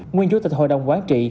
nguyên chủ tịch hội đồng quán trị